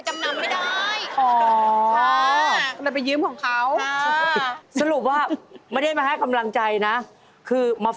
เออหมายถึงว่าก็คือขุดให้ล่าเขาโอบล่าเขาลงไปทุกด้าน